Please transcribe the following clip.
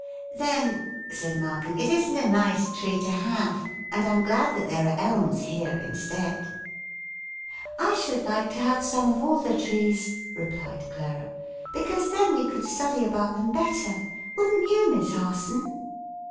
"Then," said Malcolm, "it isn't a nice tree to have, and I'm glad that there are elms here instead." "I should like to have some of all the trees," replied Clara, "because then we could study about them better. Wouldn't you, Miss Harson?"